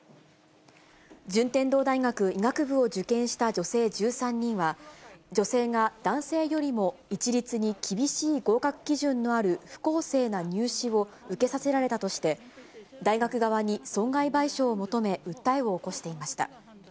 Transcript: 順天堂大学医学部を受験した女性１３人は、女性が男性よりも一律に厳しい合格基準のある不公正な入試を受けさせられたとして、大学側に損害賠償を求め、訴えを起こしていました。